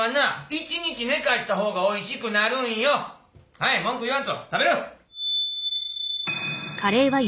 はい文句言わんと食べる！